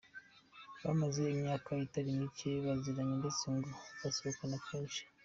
Bamaze imyaka itari mike baziranye ndetse ngo basohokana kenshi.